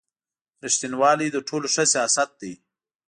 رېښتینوالي تر ټولو ښه سیاست دی.